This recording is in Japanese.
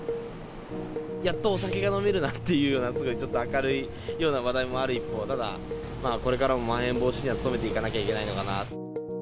やっとお酒が飲めるなっていう、ちょっと明るいような話題もある一方、ただ、これからもまん延防止には努めていかなきゃいけないのかなと。